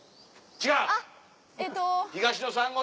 違う！